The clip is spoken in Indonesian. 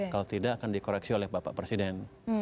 kalau tidak akan dikoreksi oleh bapak presiden